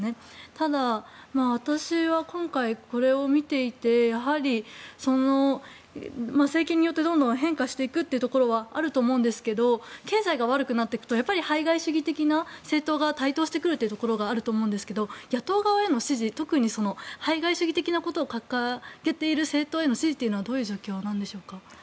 ただ、私は今回、これを見ていてやはり、政権によってどんどん変化していくというところはあると思うんですが経済が悪くなっていくとやっぱり排外主義的な政党が台頭してくるというところがあると思うんですけど野党側への支持特に排外主義的なことを掲げている政党への支持はどういう状況なんでしょうか。